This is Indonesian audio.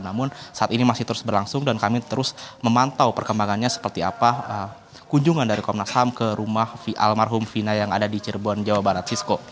namun saat ini masih terus berlangsung dan kami terus memantau perkembangannya seperti apa kunjungan dari komnas ham ke rumah almarhum vina yang ada di cirebon jawa barat sisko